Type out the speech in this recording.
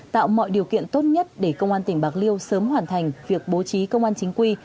tạo mọi điều kiện tốt nhất để công an tỉnh bạc liêu sớm hoàn thành việc bố trí công an chính quy